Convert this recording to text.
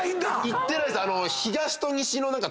行ってないです。